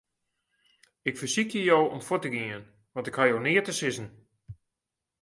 Ik fersykje jo om fuort te gean, want ik haw jo neat te sizzen.